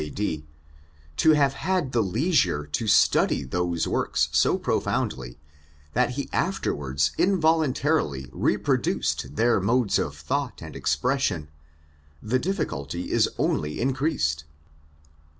JUSTIFICATION OF THE PROPOSED EXPLANATION 153 have had the leisure to study those works so profoundly that he afterwards involuntarily reproduced their modes of thought and expression, the difficulty is only increased.